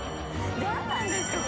何なんですか？